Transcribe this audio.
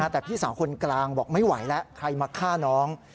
แต่พี่สาวคนกลางบอกไม่ไหวแล้วใครมาฆ่าน้อง